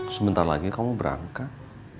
sebentar lagi kamu berangkat